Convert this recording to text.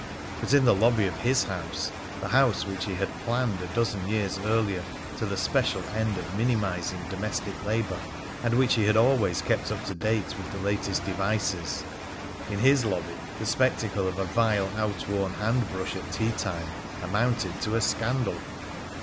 But in the lobby of his house the house which he had planned a dozen years earlier to the special end of minimising domestic labour, and which he had always kept up to date with the latest devices in his lobby the spectacle of a vile outworn hand brush at tea time amounted to a scandal.